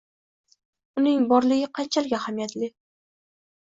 Uning borligi qanchalik ahamiyatli.